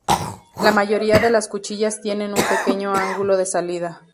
La mayoría de las cuchillas tienen un pequeño ángulo de salida.